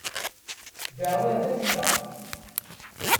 Berlin d afelleq.